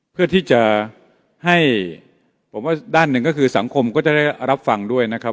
เพื่อที่จะให้ผมว่าด้านหนึ่งก็คือสังคมก็จะได้รับฟังด้วยนะครับ